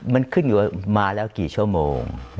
มันขึ้นอยู่มาแล้วกี่ชั่วโมง